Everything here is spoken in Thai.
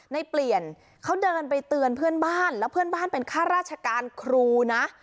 ในเปลี่ยนเขาเดินไปเตือนเพื่อนบ้านแล้วเพื่อนบ้านเป็นข้าราชการครูนะ